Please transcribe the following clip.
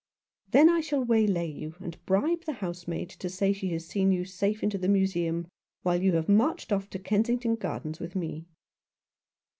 " Then I shall waylay you, and bribe the house" maid to say she has seen you safe into the Museum, while you have marched off to Kensington Gardens with me."